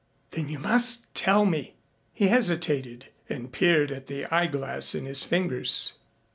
"Then you must tell me." He hesitated and peered at the eyeglass in his fingers.